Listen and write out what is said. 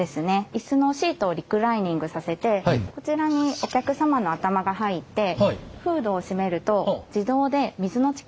イスのシートをリクライニングさせてこちらにお客様の頭が入ってフードを閉めるとそんなアホな。